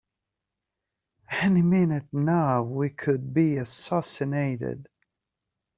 Any minute now we could be assassinated!